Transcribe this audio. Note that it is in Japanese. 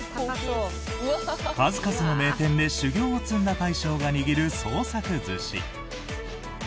数々の名店で修業を積んだ大将が握る創作寿司。